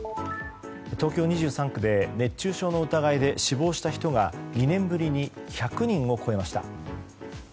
東京２３区で熱中症の疑いで死亡した人が２年ぶりに１００人を超えました。